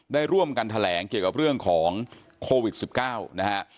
ได้ร่วมกันแถลงเกี่ยวกับเรื่องของโควิด๑๙นะฮะ